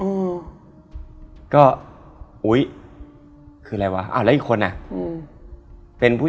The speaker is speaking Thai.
อเจมส์ครับบ๊วยบ๊วยบ๊วยบ๊วยบ๊วยบ๊วยบ๊วยพูดก่อนหมดเลยหรอ